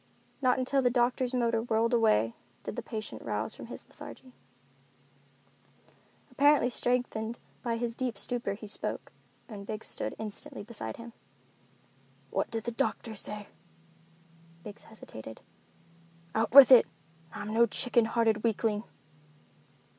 Not until the doctor's motor whirled away did the patient rouse from his lethargy. Apparently strengthened by his deep stupor he spoke, and Biggs stood instantly beside him. "What did the doctor say?" Biggs hesitated. "Out with it, I'm no chicken hearted weakling."